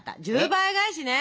１０倍返しね。